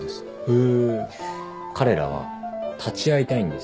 彼らは立ち会いたいんです。